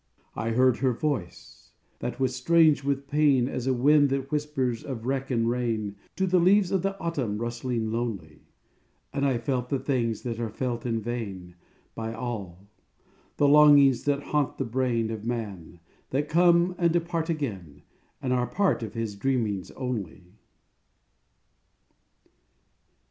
I heard her voice, that was strange with pain As a wind that whispers of wreck and rain To the leaves of the autumn rustling lonely: And I felt the things that are felt in vain By all the longings that haunt the brain Of man, that come and depart again And are part of his dreamings only.